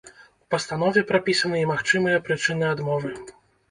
У пастанове прапісаны і магчымыя прычыны адмовы.